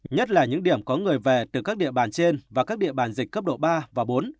nhất là những điểm có người về từ các địa bàn trên và các địa bàn dịch cấp độ ba và bốn